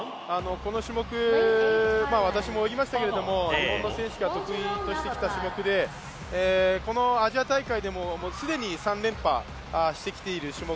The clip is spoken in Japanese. この種目、日本の選手が得意としてきた種目で、このアジア大会でも既に連覇してきている種目